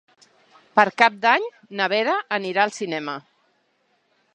Per Cap d'Any na Vera anirà al cinema.